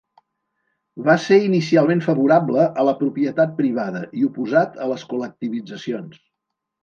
Va ser inicialment favorable a la propietat privada i oposat a les col·lectivitzacions.